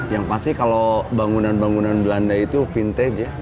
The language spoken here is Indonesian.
yang pasti kalau bangunan bangunan belanda itu vintage ya